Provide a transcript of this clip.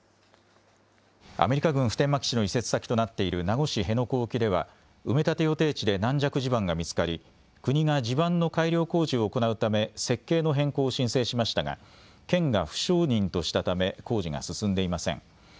アメリカ軍普天間基地の移籍先となっている名護市辺野古沖では埋め立て予定地で軟弱地盤が見つかり国が地盤の改良工事を行うため設計の変更を申請しましたが県が不承認としたため工事が進んでいません。